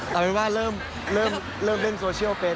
เอาเป็นว่าเริ่มเล่นโซเชียลเป็น